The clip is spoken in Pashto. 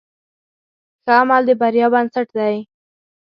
ښه عمل د بریا بنسټ دی.